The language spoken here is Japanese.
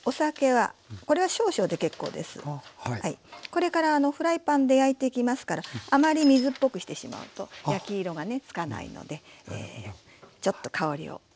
これからフライパンで焼いていきますからあまり水っぽくしてしまうと焼き色がねつかないのでちょっと香りをね加えて下さい。